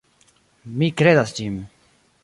Mi kredas ĝin.